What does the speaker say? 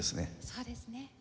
そうですね。